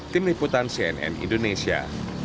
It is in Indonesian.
tim liputan cnn indonesia